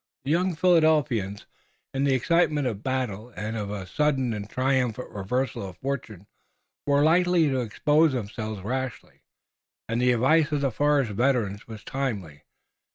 The young Philadelphians, in the excitement of battle and of a sudden and triumphant reversal of fortune, were likely to expose themselves rashly, and the advice of the forest veterans was timely.